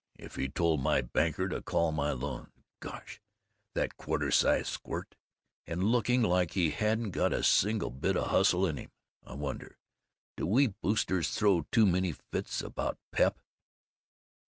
If he told my banker to call my loans ! Gosh! That quarter sized squirt! And looking like he hadn't got a single bit of hustle to him! I wonder Do we Boosters throw too many fits about pep?"